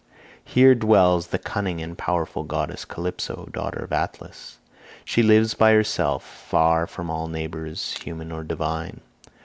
Here dwells the cunning and powerful goddess Calypso, daughter of Atlas. She lives by herself far from all neighbours human or divine.